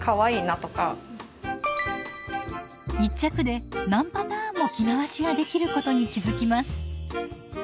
１着で何パターンも着回しができることに気付きます。